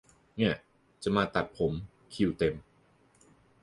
ง่ะ จะมาตัดผม คิวเต็ม